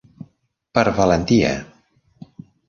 per valentia.